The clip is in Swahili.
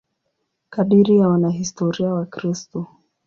Kadiri ya wanahistoria Wakristo.